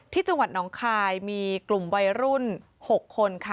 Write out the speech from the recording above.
ที่จังหวัดน้องคายมีกลุ่มวัยรุ่น๖คนค่ะ